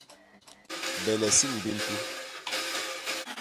Belesiñ bi ntu.